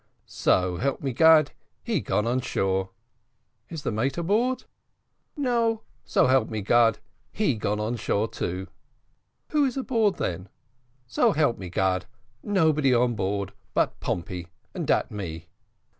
"So help me Gad, he gone on shore." "Is the mate on board?" "No, so help me Gad he gone shore too." "Who is aboard then?" "So help me Gad, nobody on board but Pompey and dat me."